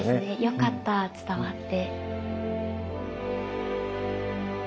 よかった伝わって。